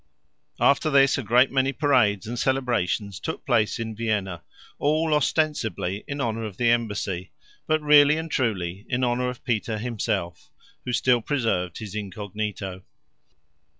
After this a great many parades and celebrations took place in Vienna, all ostensibly in honor of the embassy, but really and truly in honor of Peter himself, who still preserved his incognito.